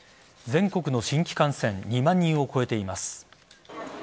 全国の新規感染２万人を超えています。